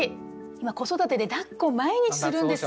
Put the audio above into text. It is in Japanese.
今子育てでだっこを毎日するんですよ。